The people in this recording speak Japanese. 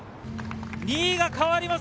２位が変わります。